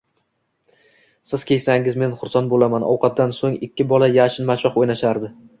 Siz kiysangiz, men xursand bo'laman. Ovqatdan so'ng ikki bola yashinmachoq o'ynashardi.